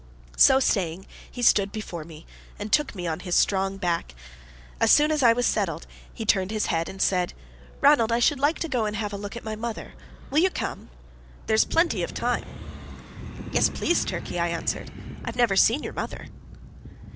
So saying he stooped before me, and took me on his strong back. As soon as I was well settled, he turned his head, and said: "Ranald, I should like to go and have a look at my mother. Will you come? There's plenty of time." "Yes, please, Turkey," I answered. "I've never seen your mother."